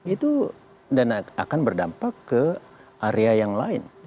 itu akan berdampak ke area yang lain